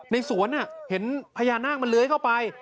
ในสวนเห็นพญานาคมันเลื้อยเข้าไป